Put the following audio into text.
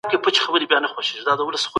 ابدالي ځواکونو په پوځ کي څه رول درلود؟